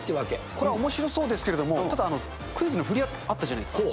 これ、おもしろそうですけど、ただ、クイズのふり、あったじゃないですか。